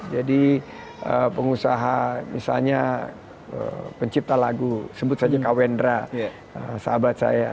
jadi pengusaha misalnya pencipta lagu sebut saja kawendra sahabat saya